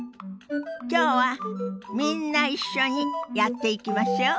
今日はみんな一緒にやっていきましょう。